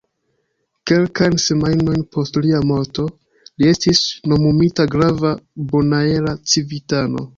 Kelkajn semajnojn post lia morto, li estis nomumita grava bonaera civitano.